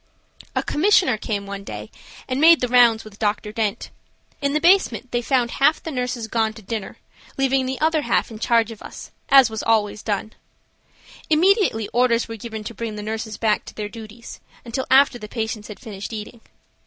A "commissioner" came one day, and made the rounds with Dr. Dent. In the basement they found half the nurses gone to dinner, leaving the other half in charge of us, as was always done. Immediately orders were given to bring the nurses back to their duties until after the patients had finished eating.